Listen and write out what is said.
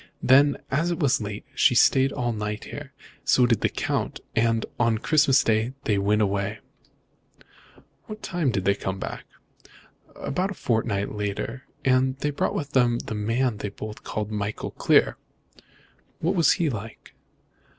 Then, as it was late, she stayed here all night. So did the Count, and on Christmas Day they went away." "When did they come back?" "About a fortnight later, and they brought with them the man they both called Michael Clear." "What is he like?"